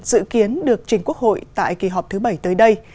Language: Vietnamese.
dự kiến được trình quốc hội tại kỳ họp thứ bảy tới đây